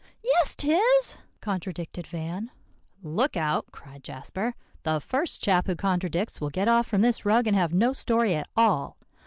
"Yes, 'tis," contradicted Van. "Look out," cried Jasper. "The first chap who contradicts will get off from this rug, and have no story at all."